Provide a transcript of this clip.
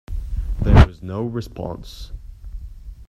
There was no response.